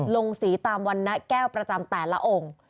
ลงสีตามวันนะแก้วประจำแต่ละองค์